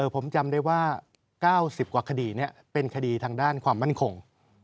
ผมจำได้ว่า๙๐กว่าคดีเป็นคดีทางด้านความมั่นคง